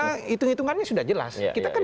karena hitung hitungannya sudah jelas kita kan